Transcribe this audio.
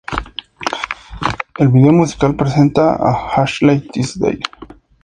El vídeo musical presenta a Ashley Tisdale.